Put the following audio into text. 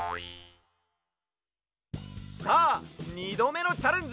さあ２どめのチャレンジ！